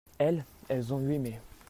elles, elles ont eu aimé.